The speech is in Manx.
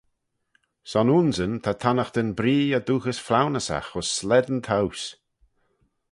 Son aynsyn ta tannaghtyn bree y dooghys flaunyssagh ayns slane towse.